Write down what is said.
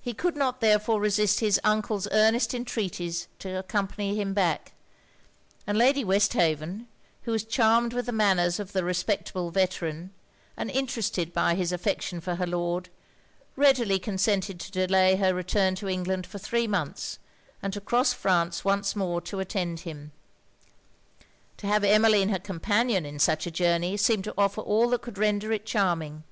He could not therefore resist his uncle's earnest entreaties to accompany him back; and Lady Westhaven, who was charmed with the manners of the respectable veteran and interested by his affection for her Lord, readily consented to delay her return to England for three months and to cross France once more to attend him. To have Emmeline her companion in such a journey seemed to offer all that could render it charming.